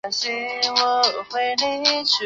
有明是东京都江东区的地名。